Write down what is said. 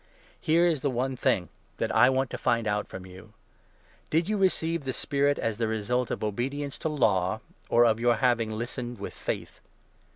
Here is the one 2 thing that I want to find out from you — Did you receive the Spirit as the result of obedience to Law, or of your having listened with faith